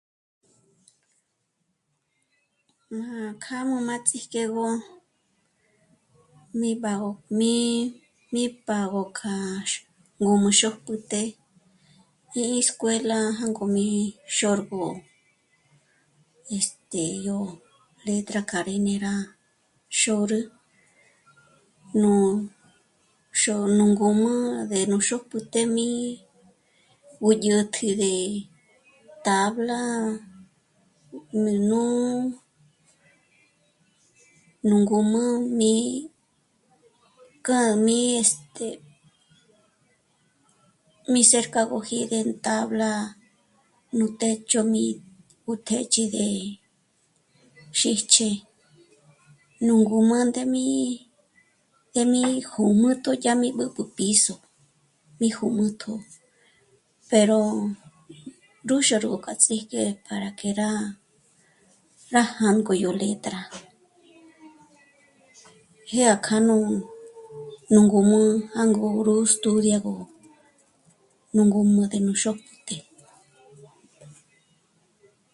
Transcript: Má kjâm'u má ts'íjk'egö mí bâgo mí, mí págo kjâ'a k'a ngǔm'ü xópjüté í escuela jângó mí xôrgo, este yó... letra k'a rí né'e rá xôrü, nú xó'o nú ngǔm'ü à ndé nú xôpjüté mí gú dyä̀tji de tabla nú, nú, nú ngǔm'ü mí k'âm'i este... mí cercágöji de tabla nú técho mí ngúk'éch'i de xîjch'e nú ngǔm'ü ndém'i, ndém'i jùm'utjo dyá rí mbǚb'ü piso, mí jùm'utjo, pero ndúxâro k'a ts'ík'e para que rá, rá jângo yó letra. Jyé k'anu, nú ngǔm'ü jângo rú estúdiagö nú ngǔm'ü ndé nú xótpjüté